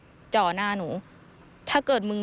ไลน์ขอความช่วยเหลือจากเพื่อนฟังเสียหายดูนะคะ